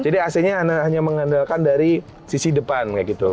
jadi ac nya hanya mengandalkan dari sisi depan kayak gitu